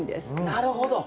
なるほど。